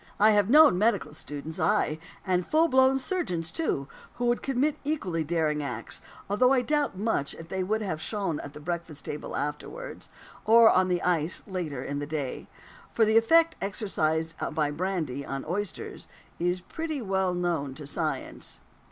I have known medical students, aye! and full blown surgeons too, who would commit equally daring acts; although I doubt much if they would have shone at the breakfast table afterwards, or on the ice later in the day. For the effect exercised by brandy on oysters is pretty well known to science.